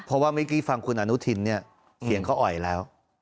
เพราะว่าเมื่อกี้ฟังคุณอนุทินเนี่ยเสียงเขาอ่อยแล้ว